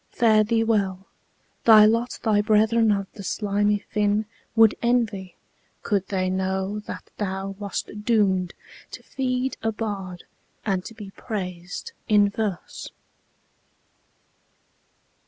Fare thee well! Thy lot thy brethern of the slimy fin Would envy, could they know that thou wast doom'd To feed a bard, and to be prais'd in verse.